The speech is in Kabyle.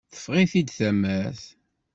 Teffeɣ-it-id tamart.